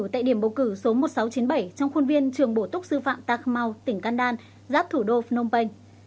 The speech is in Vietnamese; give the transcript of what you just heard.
tại điểm bầu cử số một nghìn sáu trăm chín mươi bảy trong khuôn viên trường bổ túc sư phạm takmao tỉnh can đan giáp thủ đô phnom penh